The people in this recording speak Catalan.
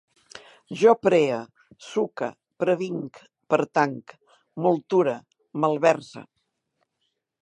Jo pree, suque, previnc, pertanc, molture, malverse